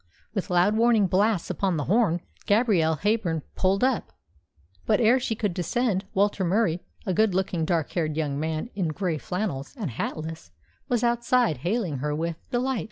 With loud warning blasts upon the horn, Gabrielle Heyburn pulled up; but ere she could descend, Walter Murie, a good looking, dark haired young man in grey flannels, and hatless, was outside, hailing her with delight.